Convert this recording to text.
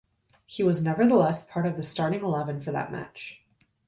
He was nevertheless part of the starting eleven for that match.